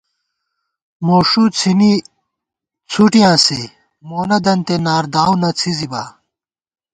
موݭُوڅھِنی څُھٹِیاں سےمونہ دنتےنارداؤ نہ څِھزِبا